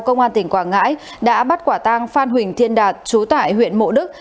công an tỉnh quảng ngãi đã bắt quả tang phan huỳnh thiên đạt chú tại huyện mộ đức